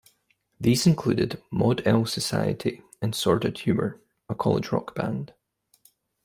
These included Mod-L Society and Sordid Humor, a college rock band.